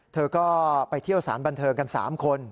เธอก็ไปเที่ยวสารบันเทิงกัน๓คน